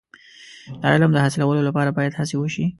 د علم د حاصلولو لپاره باید هڅې وشي.